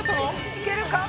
いけるか？